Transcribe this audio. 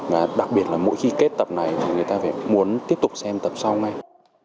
và đặc biệt là mỗi khi kết tập này thì người ta phải muốn tiếp tục xem tập sau ngay